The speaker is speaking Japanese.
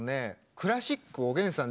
クラシックおげんさん